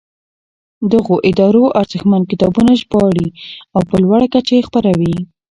دغو ادارو ارزښتمن کتابونه ژباړي او په لوړه کچه یې خپروي.